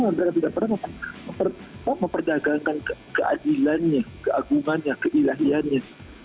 mereka tidak pernah memperdagangkan keadilannya keagungannya keilahiannya